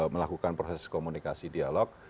melakukan proses komunikasi dialog